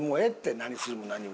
何するも何も。